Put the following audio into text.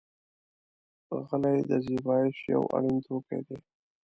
غلۍ د زېبایش یو اړین توکی دی.